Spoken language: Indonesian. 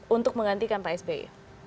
untuk menggantikan pak sby